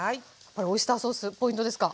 これオイスターソースポイントですか？